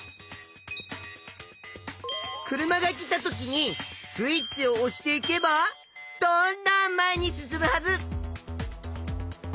車が来たときにスイッチをおしていけばどんどん前に進むはず！